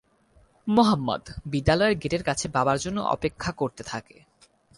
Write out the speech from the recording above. মোহাম্মদ বিদ্যালয়ের গেটের কাছে বাবার জন্য অপেক্ষা করতে থাকে।